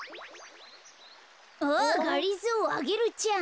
あがりぞーアゲルちゃん。